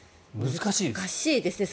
難しいですね。